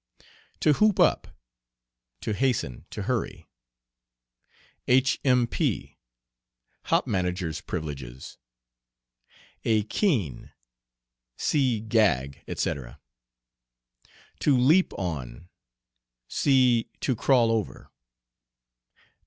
"To hoop up." To hasten, to hurry. "H. M. P." Hop manager's privileges. "A keen." See "Gag," etc. "To leap on." See "To crawl over."